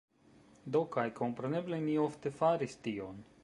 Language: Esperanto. Do, kaj kompreneble, ni ofte faris tion.